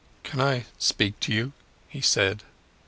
"Can I speak to you?" he said.